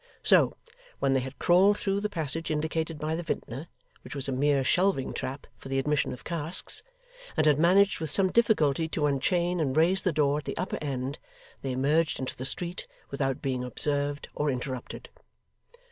So, when they had crawled through the passage indicated by the vintner (which was a mere shelving trap for the admission of casks), and had managed with some difficulty to unchain and raise the door at the upper end, they emerged into the street without being observed or interrupted.